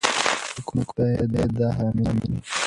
حکومت باید دا حق تامین کړي.